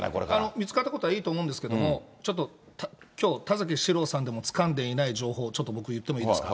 見つかったことはいいと思うんですけど、ちょっときょう、田崎史郎さんでもつかんでいない情報、ちょっと僕言ってもいいですか。